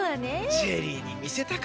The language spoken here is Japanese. ジェリーにみせたかったなあ。